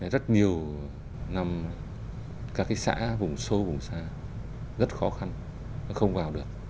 rất nhiều năm các cái xã vùng sâu vùng xa rất khó khăn không vào được